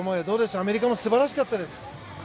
アメリカも素晴らしかったです。